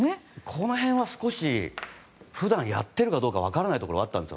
この辺は少し普段やってるかどうか分からないところはあったんです